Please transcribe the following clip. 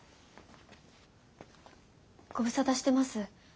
ご無沙汰してます。